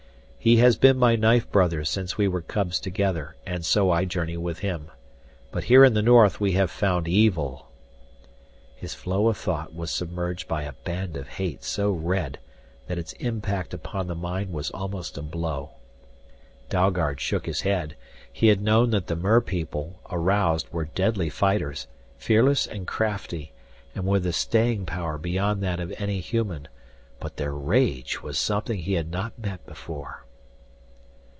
"He has been my knife brother since we were cubs together, and so I journey with him. But here in the north we have found evil " His flow of thought was submerged by a band of hate so red that its impact upon the mind was almost a blow. Dalgard shook his head. He had known that the merpeople, aroused, were deadly fighters, fearless and crafty, and with a staying power beyond that of any human. But their rage was something he had not met before.